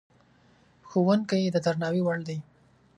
ښوونکی د درناوي وړ دی.